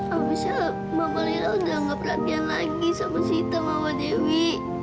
abisnya mama lila udah gak perhatian lagi sama sita sama wadewi